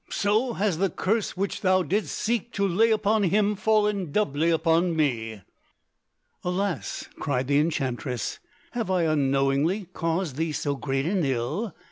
So has the curse which thou didst seek to lay upon him fallen doubly upon me." "Alas!" cried the enchantress, "have I unknowingly caused thee so great an ill?